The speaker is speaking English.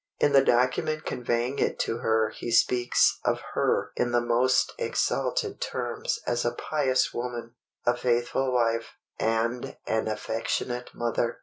In the document conveying it to her he speaks of her in the most exalted terms as a pious woman, a faithful wife, and an affectionate mother.